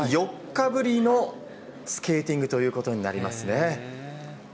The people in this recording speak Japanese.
４日ぶりのスケーティングということになりますね。